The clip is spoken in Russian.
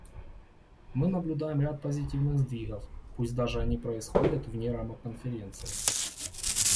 Мы наблюдаем ряд позитивных сдвигов, пусть даже они происходят вне рамок Конференции.